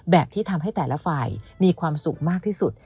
ที่ทำให้แต่ละฝ่ายมีความสุขมากที่สุด